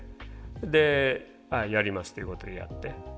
でやりますっていうことでやって。